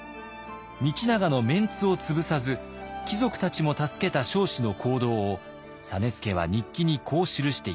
道長のメンツを潰さず貴族たちも助けた彰子の行動を実資は日記にこう記しています。